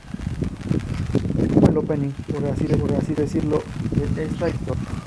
Es como el "opening" por así decirlo, de esta historia.